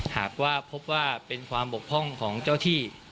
หากว่าพบว่าเป็นความบกพร่องของเจ้าที่